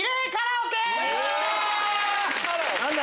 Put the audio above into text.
何だ？